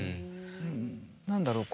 何だろう